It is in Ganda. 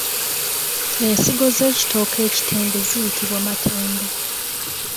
Ensigo z’ekitooke ekitembe ziyitibwa matembe.